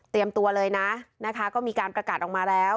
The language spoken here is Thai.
ตัวเลยนะนะคะก็มีการประกาศออกมาแล้ว